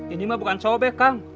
ini mah bukan sobek kang